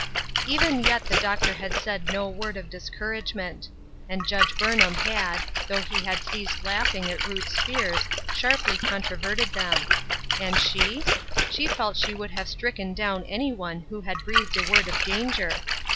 VEN yet the doctor had said no word ol discouragement. And Judge Burnham had, though he had ceased laughing at Ruth fears, sharply controverted them. And she ?— she felt she would have stricken down any one who had breathed a word of danger.